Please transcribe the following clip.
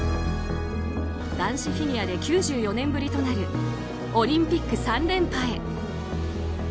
男子フィギュアで９４年ぶりとなるオリンピック３連覇へ。